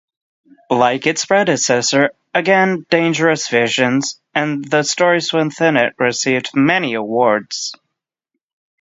Like its predecessor, "Again, Dangerous Visions" and the stories within it received many awards.